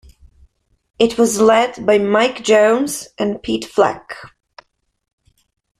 It was led by Mike Jones and Pete Flack.